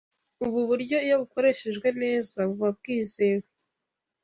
Ubu buryo iyo bukoreshejwe neza buba bwizewe